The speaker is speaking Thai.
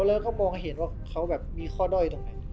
แล้วก็มองเห็นว่าเขาแบบมีข้อด้อยตรงไหน